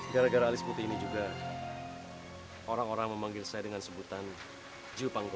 gara gara alis putih ini juga orang orang memanggil saya dengan sebutan ju pangkalan